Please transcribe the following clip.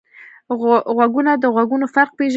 غوږونه د غږونو فرق پېژني